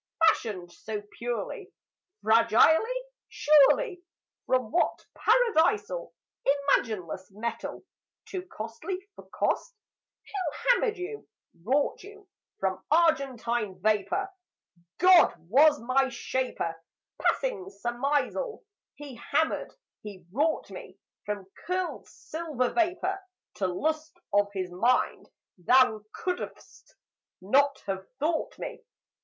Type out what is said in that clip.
Fashioned so purely, Fragilely, surely, From what Paradisal Imagineless metal, Too costly for cost? Who hammered you, wrought you, From argentine vapour? "God was my shaper. Passing surmisal, He hammered, He wrought me, From curled silver vapour, To lust of His mind: Thou could'st not have thought me!